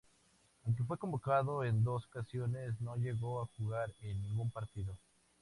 Aunque fue convocado en dos ocasiones, no llegó a jugar en ningún partido.